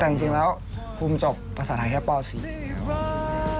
แต่จริงแล้วภูมิจบภาษาไทยแค่ป๔ครับ